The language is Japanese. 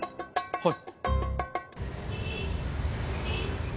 はい。